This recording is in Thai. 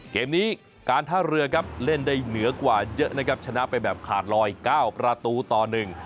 เกมนี้การท่าเรือครับเล่นได้เหนือกว่าเยอะนะครับชนะไปแบบขาดลอยเก้าประตูต่อหนึ่ง